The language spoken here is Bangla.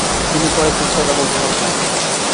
তিনি পড়ে খ্রীস্টধর্ম গ্রহণ করেন।